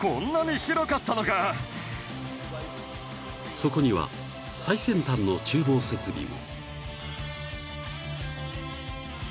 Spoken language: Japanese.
［そこには最先端の厨房設備も］